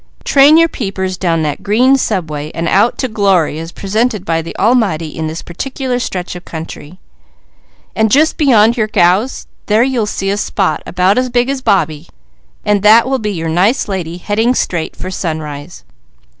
Train your peepers down that green subway, and on out to glory as presented by the Almighty in this particular stretch of country, and just beyond your cows there you'll see a spot about as big as Bobbie, and that will be your nice lady heading straight for sunrise.